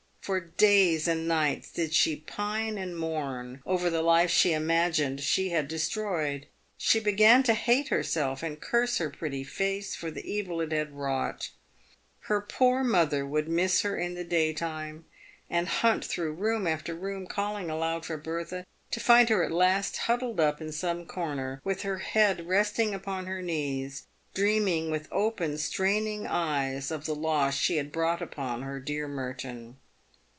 For days and nights did she pine and mourn over the life she imagined she had destroyed. She began to hate herself, and curse her pretty face for the evil it had wrought. Her poor mother would miss her in the daytime, and hunt through room after room, calling aloud for Bertha, to find her at last huddled up in some corner, with her head resting upon her knees, dreaming with open, straining eyes of the loss she had brought upon her dear Merton.